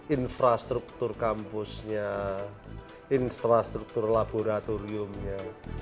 infrastruktur kampusnya infrastruktur laboratoriumnya